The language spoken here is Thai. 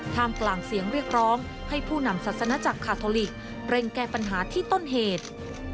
กลางเสียงเรียกร้องให้ผู้นำศาสนาจักรคาทอลิกเร่งแก้ปัญหาที่ต้นเหตุ